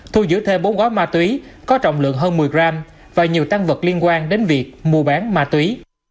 thu giữ thêm bốn gói ma túy có trọng lượng hơn một mươi gram và nhiều tăng vật liên quan đến việc mua bán ma túy